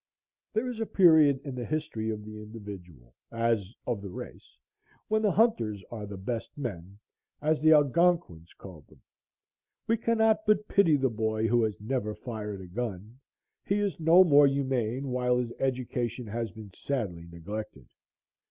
There is a period in the history of the individual, as of the race, when the hunters are the "best men," as the Algonquins called them. We cannot but pity the boy who has never fired a gun; he is no more humane, while his education has been sadly neglected.